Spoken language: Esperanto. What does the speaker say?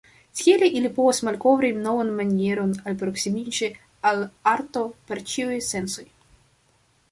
Tiele ili povas malkovri novan manieron alproksimiĝi al arto per ĉiuj sensoj.